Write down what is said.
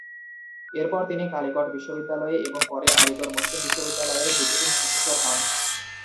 এরপর তিনি কালিকট বিশ্ববিদ্যালয়ে এবং পরে আলিগড় মুসলিম বিশ্ববিদ্যালয়ের ভিজিটিং প্রফেসর হন।